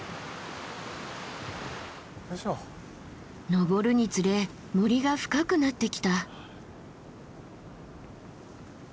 登るにつれ森が深くなってきた。